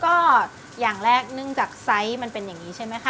ก็อย่างแรกเนื่องจากไซส์มันเป็นอย่างนี้ใช่ไหมคะ